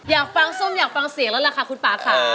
อยากฟังส้มอยากฟังเสียงแล้วล่ะค่ะคุณป่าค่ะ